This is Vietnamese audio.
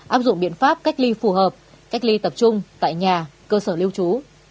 áp dụng biện pháp cách ly phù hợp cách ly tập trung tại nhà cơ sở lưu trú